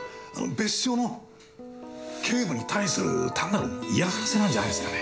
別所の警部に対する単なる嫌がらせなんじゃないですかね？